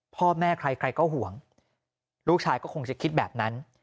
พ่อแม่ใครใครก็ห่วงลูกชายก็คงจะคิดแบบนั้น